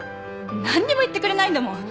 何にも言ってくれないんだもん。